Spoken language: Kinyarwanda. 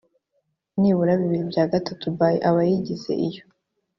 nibura bibiri bya gatatu by abayigize iyo